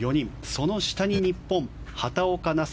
その下に日本、畑岡奈紗